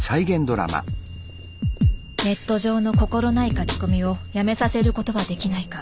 ネット上の心ない書き込みをやめさせることはできないか。